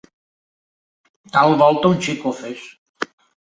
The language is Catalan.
...tal volta un xic ofès